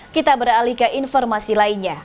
kita beralih ke informasi lainnya